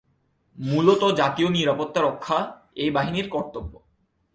মূলত জাতীয় নিরাপত্তা রক্ষা এই বাহিনীর কর্তব্য।